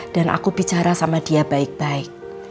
dan aku bicara sama dia baik baik